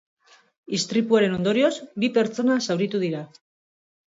Istripuaren ondorioz, bi pertsona zauritu dira.